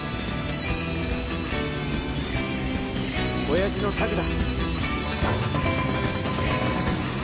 親父のタグだ。